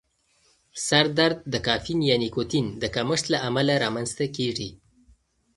سر درد د کافین یا نیکوتین د کمښت له امله رامنځته کېږي.